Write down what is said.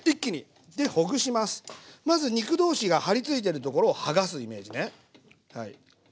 まず肉同士がはりついてるところをはがすイメージねはい。